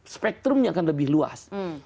spektrumnya akan lebih luas